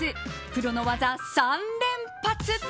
プロの技３連発！